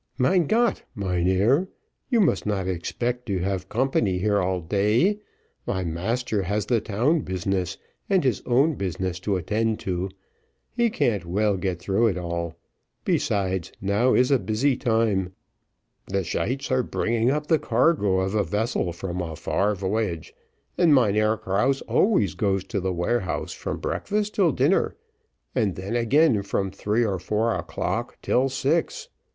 "Mein Gott, mynheer, you must not expect to have company here all day. My master has the town business and his own business to attend to: he can't well get through it all: besides, now is a busy time, the schuyts are bringing up the cargo of a vessel from a far voyage, and Mynheer Krause always goes to the warehouse from breakfast till dinner, and then again from three or four o'clock till six.